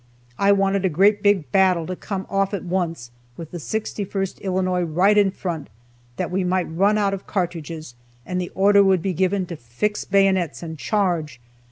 I wanted a great big battle to come off at once, with the 61st Illinois right in front, that we might run out of cartridges, and the order would be given to fix bayonets and charge!